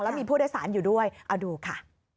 แล้วมีผู้โดยสารอยู่ด้วยเอาดูค่ะ